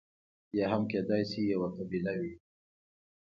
یا هم کېدای شي یوه قبیله وي.